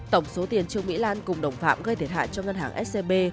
tổng số tiền trương mỹ lan cùng đồng phạm gây thiệt hại cho ngân hàng scb